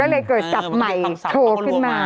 ได้เลยเกิดจับใหม่โทรขึ้นมา